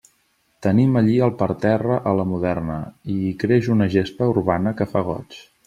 Tenim allí el parterre a la moderna, i hi creix una gespa urbana que fa goig.